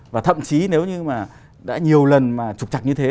và thậm chí nếu như mà đã nhiều lần mà trục chặt như thế